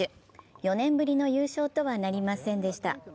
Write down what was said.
４年ぶりの優勝とはなりませんでした。